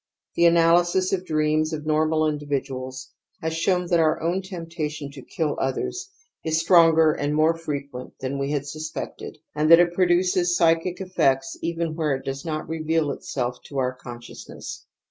The analysis of dreams of normal individuals has shown that our ' own temptation to kill others/is stronger and more frequent than we had suspected and that it produces psychic effects even where it does not reveal itself to our consciousness.